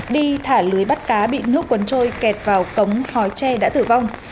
đi thả lưới bắt cá bị nước cuốn trôi kẹt vào cống hói tre đã tử vong